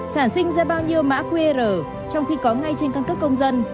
sản sinh ra bao nhiêu mã qr trong khi có ngay trên căn cước công dân